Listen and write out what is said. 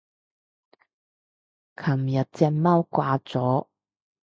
琴日隻貓掛咗